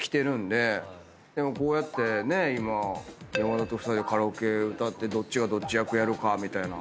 でもこうやってね今山田と２人でカラオケ歌ってどっちがどっち役やるみたいな。